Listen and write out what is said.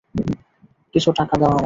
কিছু টাকা দাও আমায়।